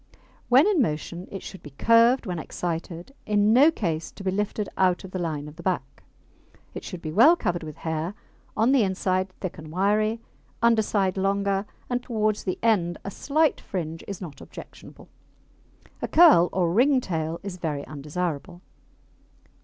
When in motion it should be curved when excited, in no case to be lifted out of the line of the back. It should be well covered with hair, on the inside thick and wiry, underside longer, and towards the end a slight fringe is not objectionable. A curl or ring tail is very undesirable.